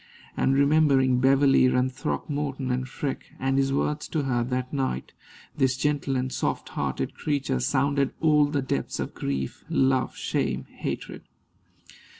And, remembering Beverley and Throckmorton and Freke, and his words to her that night, this gentle and soft hearted creature sounded all the depths of grief, love, shame, hatred.